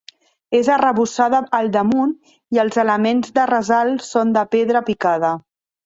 És arrebossada al damunt i els elements de ressalt són de pedra picada.